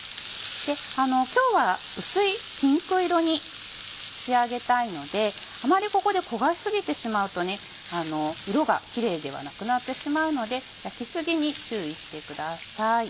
今日は薄いピンク色に仕上げたいのであまりここで焦がし過ぎてしまうと色がキレイではなくなってしまうので焼き過ぎに注意してください。